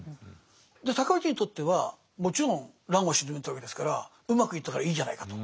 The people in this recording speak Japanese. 尊氏にとってはもちろん乱を鎮めたわけですからうまくいったからいいじゃないかと。